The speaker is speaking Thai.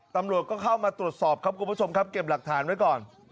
ตำรวจก็เข้ามาตรวจสอบครับคุณผู้ชมครับเก็บหลักฐานไว้ก่อน